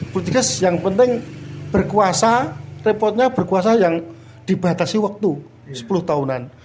politikus yang penting berkuasa repotnya berkuasa yang dibatasi waktu sepuluh tahunan